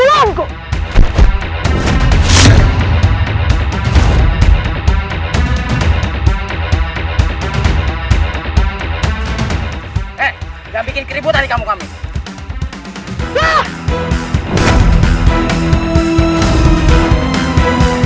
eh jangan bikin keributan di kamu kamu